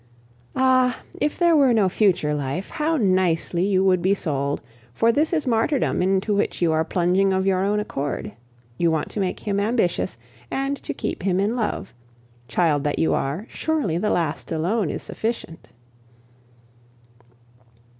Ah! if there were no future life, how nicely you would be sold, for this is martyrdom into which you are plunging of your own accord. You want to make him ambitious and to keep him in love! Child that you are, surely the last alone is sufficient.